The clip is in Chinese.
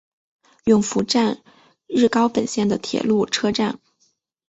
勇拂站日高本线的铁路车站。